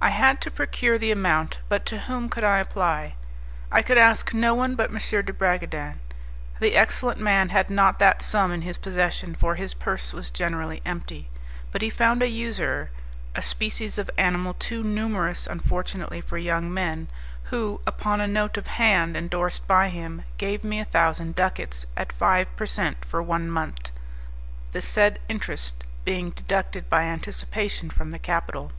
I had to procure the amount, but to whom could I apply? I could ask no one but M. de Bragadin. The excellent man had not that sum in his possession, for his purse was generally empty; but he found a usurer a species of animal too numerous unfortunately for young men who, upon a note of hand endorsed by him, gave me a thousand ducats, at five per cent. for one month, the said interest being deducted by anticipation from the capital.